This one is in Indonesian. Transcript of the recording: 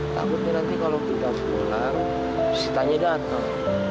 takutnya nanti kalau tidak pulang sitanya datang